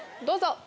どうぞ！